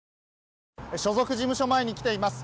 所属事務所前に来ています。